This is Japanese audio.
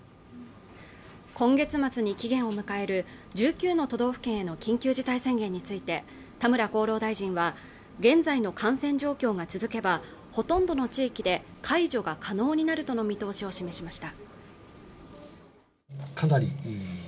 今月末に期限を迎える１９の都道府県への緊急事態宣言について、田村厚労大臣は現在の感染状況が続けば、ほとんどの地域で解除が可能になるとの見通しを示しました。